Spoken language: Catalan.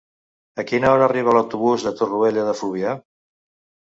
A quina hora arriba l'autobús de Torroella de Fluvià?